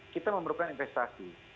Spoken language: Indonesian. kita memerlukan investasi